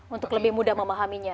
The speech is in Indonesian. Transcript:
untuk lebih mudah memahaminya